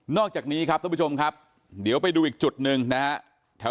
อกจากนี้ครับท่านผู้ชมครับเดี๋ยวไปดูอีกจุดหนึ่งนะฮะ